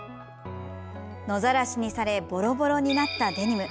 野ざらしにされボロボロになったデニム。